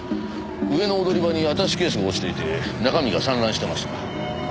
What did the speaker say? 上の踊り場にアタッシュケースが落ちていて中身が散乱してました。